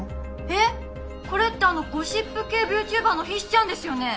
えこれってあのゴシップ系ビューチューバーのヒシちゃんですよね。